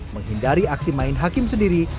menghindari aksi main hakim sendiri